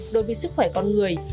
đối với sức khỏe con người